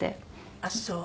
ああそう。